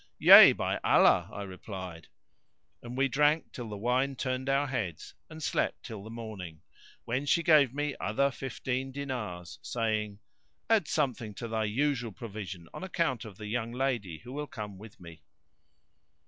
"Yea, by Allah!" I replied; and we drank till the wine turned our heads and slept till the morning, when she gave me other fifteen dinars, saying, "Add something to thy usual provision on account of the young lady who will come with me."